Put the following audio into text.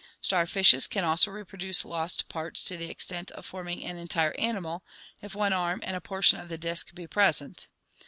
Starfishes can also reproduce lost parts to the extent of forming an entire animal if one arm and a portion of the disc be present.